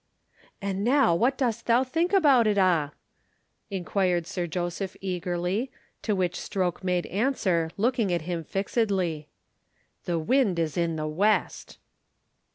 "And now, what doest thou think about it a'?" inquired Sir Joseph eagerly, to which Stroke made answer, looking at him fixedly. "The wind is in the west!"